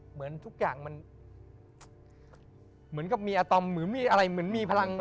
เหมือนทุกอย่างมันเหมือนกับมีอาตอมหรือมีอะไรเหมือนมีพลัง